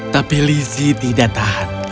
tapi lizzie tidak tahan